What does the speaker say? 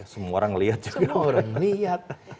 semua orang lihat